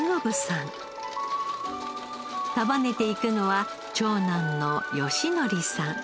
束ねていくのは長男の仁徳さん。